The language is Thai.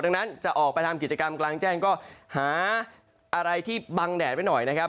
ดังนั้นจะออกไปทำกิจกรรมกลางแจ้งก็หาอะไรที่บังแดดไว้หน่อยนะครับ